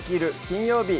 金曜日」